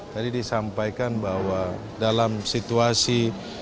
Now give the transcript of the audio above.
tadi disampaikan bahwa dalam situasi